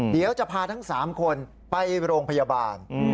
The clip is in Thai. เดี๋ยวจะพาทั้ง๓คนไปโรงพยาบาล